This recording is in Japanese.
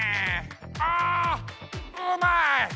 あうまい！